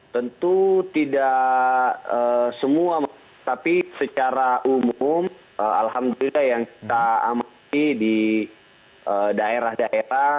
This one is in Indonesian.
tentu tidak semua tapi secara umum alhamdulillah yang kita amati di daerah daerah